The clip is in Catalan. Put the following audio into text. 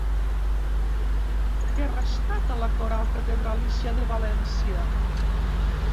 Què rescata la Coral Catedralícia de València?